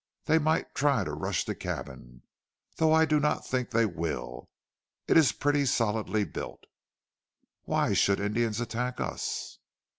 They might try to rush the cabin, though I do not think they will. It is pretty solidly built." "Why should Indians attack us?"